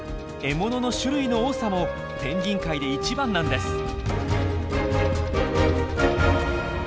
獲物の種類の多さもペンギン界で一番なんです。